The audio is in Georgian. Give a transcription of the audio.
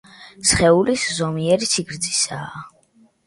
სხეული ზომიერი სიგრძისაა.